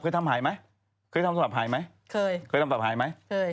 เคยทำหายไหมเคยทำสำหรับหายไหมเคยเคยทำแบบหายไหมเคย